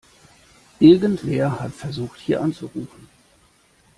Irgendwer hat versucht, hier anzurufen.